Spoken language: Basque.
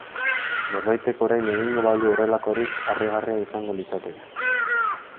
Norbaitek orain egingo balu horrelakorik harrigarria izango litzateke.